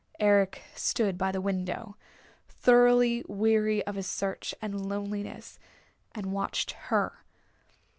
Eric stood by the window, thoroughly weary of his search and loneliness, and watched her.